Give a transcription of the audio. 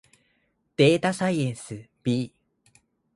データサイエンス B